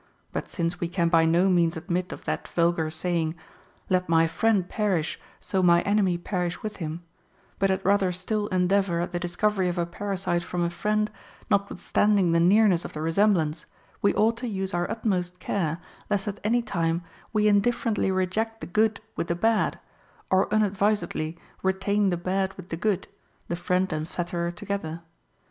But since we can by no means admit of that vulgar saying, Let my friend perish, so my enemy perish with him, but had rather still endeavor at the discovery of a parasite from a friend, notwithstanding the nearness of the resem blance, we ought to use our utmost care, lest at any time we indifferently reject the good with the bad, or unad visedly retain the bad with the good, the friend and flat• FROM A FRIEND. 105 terer together.